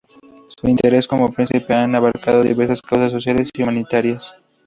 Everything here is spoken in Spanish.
Sus intereses como príncipe han abarcado diversas causas sociales y humanitarias.